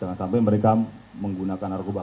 jangan sampai mereka menggunakan narkoba